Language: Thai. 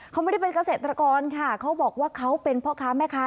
เขาไม่ได้เป็นเกษตรกรค่ะเขาบอกว่าเขาเป็นพ่อค้าแม่ค้า